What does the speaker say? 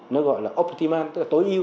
nó gọi là optimal tức là tối ưu